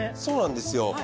そうなんですよ。